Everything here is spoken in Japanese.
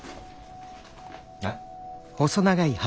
えっ？